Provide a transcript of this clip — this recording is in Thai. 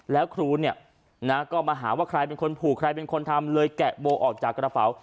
แล้วครูเนี่ยนะก็มาหาว่าใครเป็นคนผูกใครเป็นคนทำเลยแกะโบออกจากกระเป๋า